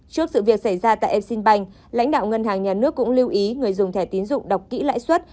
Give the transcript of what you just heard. trước sự việc xảy ra tại e sim banh lãnh đạo ngân hàng nhà nước cũng lưu ý người dùng thẻ tín dụng đọc kỹ lãi suất